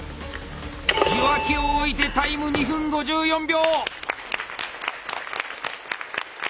受話器を置いてタイム２分５４秒！